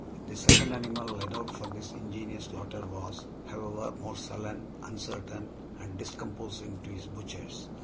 The second animal led out for this ingenious slaughter was, however, more sullen, uncertain, and discomposing to his butchers.